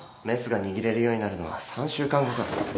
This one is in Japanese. メスが握れるようになるのは３週間後かと。